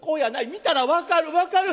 見たら分かる分かる。